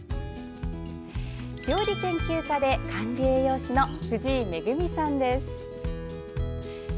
料理研究家で管理栄養士の藤井恵さんです。